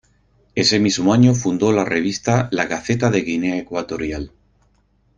Ese mismo año fundó la revista "La Gaceta de Guinea Ecuatorial".